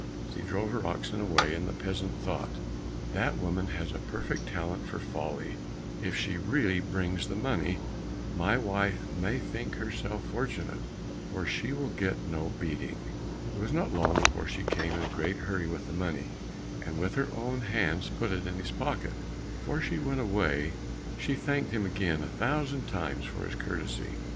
She drove her oxen away, and the peasant thought, "That woman has a perfect talent for folly, if she really brings the money, my wife may think herself fortunate, for she will get no beating." It was not long before she came in a great hurry with the money, and with her own hands put it in his pocket. Before she went away, she thanked him again a thousand times for his courtesy.